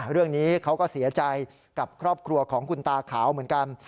เรื่องนี้เขาก็เสียใจกับครอบครัวของคุณตาขาวเหมือนกัน